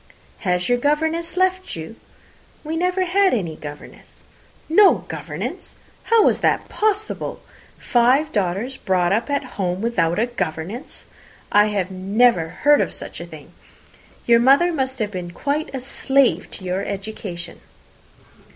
"Has your governess left you?" "We never had any governess." "No governess! How was that possible? Five daughters brought up at home without a governess! I never heard of such a thing. Your mother must have been quite a slave to your education."